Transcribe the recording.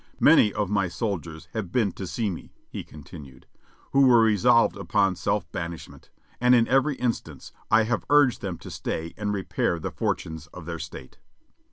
"Many of my soldiers have been to see me," he continued, "who were re solved upon self banishment, and in every instance I have urged them to stay and repair the fortunes of their State."